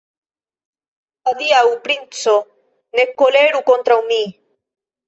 Adiaŭ, princo, ne koleru kontraŭ mi!